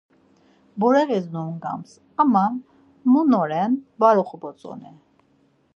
Bureğis nugams ama mu na ren var oxobotzoni.